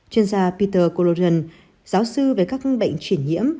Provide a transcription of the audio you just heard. chuyên gia peter corurian giáo sư về các ngân hàng